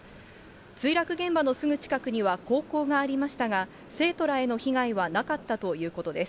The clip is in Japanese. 墜落現場のすぐ近くには高校がありましたが、生徒らへの被害はなかったということです。